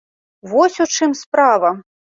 Вось у чым справа!